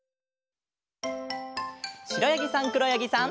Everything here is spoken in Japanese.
しろやぎさんくろやぎさん。